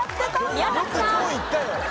宮崎さん。